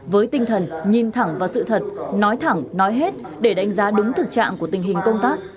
với tinh thần nhìn thẳng vào sự thật nói thẳng nói hết để đánh giá đúng thực trạng của tình hình công tác